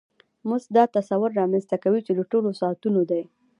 مزد دا تصور رامنځته کوي چې د ټولو ساعتونو دی